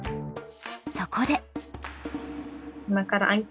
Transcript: そこで。